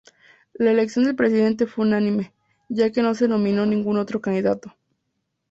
La elección del Presidente fue unánime, ya que no se nominó ningún otro candidato.